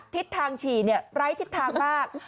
ทิศทางฉี่ไร้ทิศทางมาก